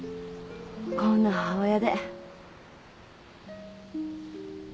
こんな母親で。